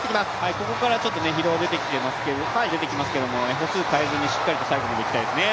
ここからちょっと前に出てきますけれども、歩数を変えずにしっかりと最後までいきたいですね。